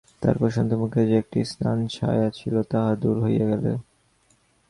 তাহার প্রশান্ত মুখে যে একটি ম্লান ছায়া ছিল, তাহা দূর হইয়া গেল।